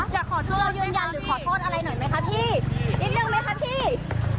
อยากขอโทษเรายืนยันหรือขอโทษอะไรหน่อยไหมคะพี่นิดนึงไหมคะพี่